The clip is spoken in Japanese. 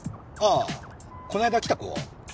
あこの間来た子？